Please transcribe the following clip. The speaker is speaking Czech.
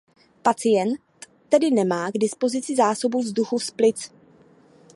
Pacient tedy nemá k dispozici zásobu vzduchu z plic.